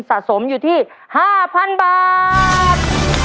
สะสมอยู่ที่๕๐๐๐บาท